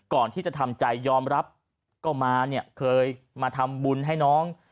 ก่อนที่จะทำใจยอมรับก็มาเนี่ยเคยมาทำบุญให้น้อง